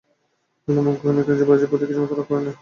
বিল্বন কহিলেন, তিনি যুবরাজের প্রতি কিছুমাত্র রাগ করেন নাই।